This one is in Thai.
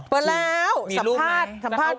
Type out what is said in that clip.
เปิดแล้วสัมภาษณ์สัมภาษณ์